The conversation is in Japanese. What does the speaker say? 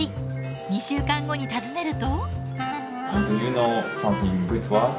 ２週間後に訪ねると。